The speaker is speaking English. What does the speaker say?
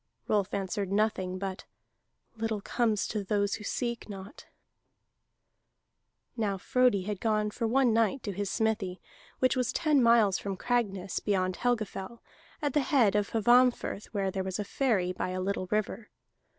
Rolf answered nothing but: "Little comes to those who seek not." Now Frodi had gone for one night to his smithy, which was ten miles from Cragness, beyond Helgafell, at the head of Hvammfirth, where there was a ferry by a little river.